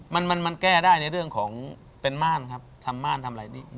มันมันแก้ได้ในเรื่องของเป็นม่านครับทำม่านทำอะไรนี่